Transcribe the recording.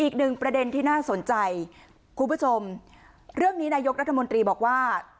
อีกหนึ่งประเด็นที่น่าสนใจคุณผู้ชมเรื่องนี้นายกรัฐมนตรีบอกว่า